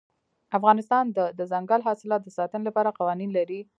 افغانستان د دځنګل حاصلات د ساتنې لپاره قوانین لري.